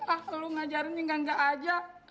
ah lo ngajarinnya gak gak aja